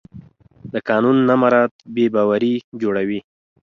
د قانون نه مراعت بې باوري جوړوي